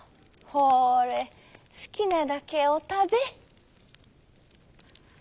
ほれすきなだけおたべ」。